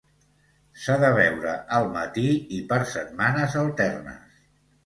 S'ha de beure al matí i per setmanes alternes.